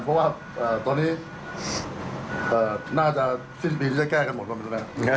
เอ่อยังครับแต่